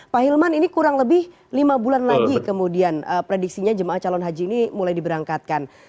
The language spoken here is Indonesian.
pak hilman ini kurang lebih lima bulan lagi kemudian prediksinya jemaah calon haji ini mulai diberangkatkan